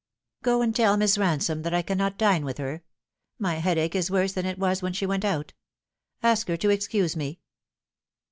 " Go and tell Miss Ransome that I cannot dine with her. My headache is worse than it was when she went out. Ask her to excuse me."